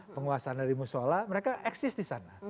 penguasaan dari musola mereka eksis di sana